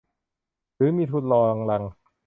หรือมีทุนรองรัง